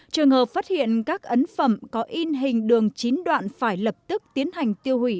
trường hợp phát hiện các ấn phẩm có in hình đường chín đoạn phải lập tức tiến hành tiêu hủy